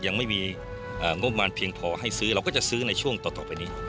ยังไม่มีงบประมาณเพียงพอให้ซื้อเราก็จะซื้อในช่วงต่อไปนี้